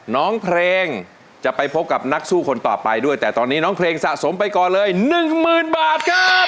น้องเพลงจะไปพบกับนักสู้คนต่อไปด้วยแต่ตอนนี้น้องเพลงสะสมไปก่อนเลยหนึ่งหมื่นบาทครับ